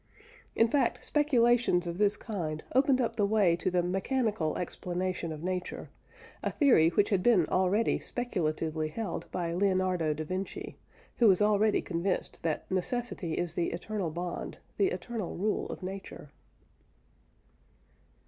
In fact, speculations of this kind opened up the way to the mechanical explanation of nature, a theory which had been already speculatively held by Leonardo da Vinci, who is already convinced that "necessity is the eternal bond, the eternal rule of Nature."